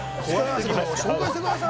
紹介してください。